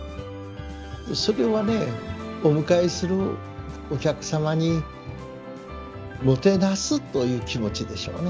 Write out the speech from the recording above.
それはねお迎えするお客様にもてなすという気持ちでしょうね。